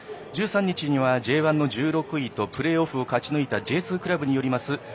１３日にはＪ１の１６位とプレーオフを勝ち抜いたＪ２クラブによります